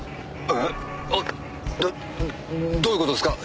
あっどどういう事ですか？